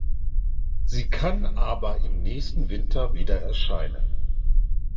Sie kann aber im nächsten Winter wieder erscheinen.